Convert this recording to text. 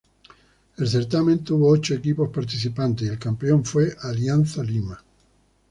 El certamen tuvo ocho equipos participantes y el campeón fue Alianza Lima.